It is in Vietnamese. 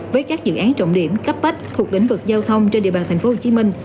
với các dự án trọng điểm cấp bách thuộc lĩnh vực giao thông trên địa bàn tp hcm